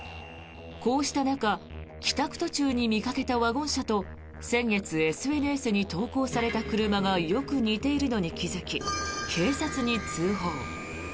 こうした中、帰宅途中に見かけたワゴン車と先月、ＳＮＳに投稿された車がよく似ているのに気付き警察に通報。